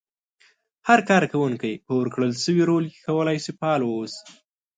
هر کار کوونکی په ورکړل شوي رول کې کولای شي فعال واوسي.